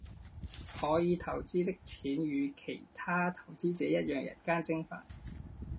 凯尔投资的钱与其他投资者一样人间蒸发。